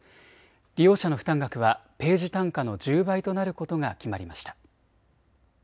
利用者の負担額はページ単価の１０倍となることが決まりました。